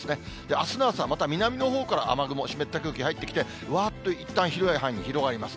あすの朝、また南のほうから雨雲、湿った空気入ってきて、わーっといったん広い範囲に広がります。